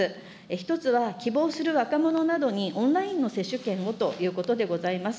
１つは、希望する若者などにオンラインの接種券をということでございます。